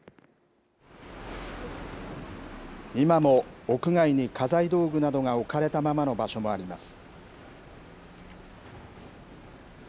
今も屋外に家財道具などが置かれたままの場所もあります。